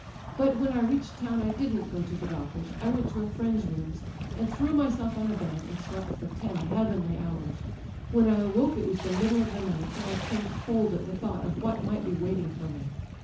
But when I reached town I didn't go to the doctor's. I went to a friend's rooms, and threw myself on a bed, and slept for ten heavenly hours. When I woke it was the middle of the night, and I turned cold at the thought of what mi^t be waiting for me.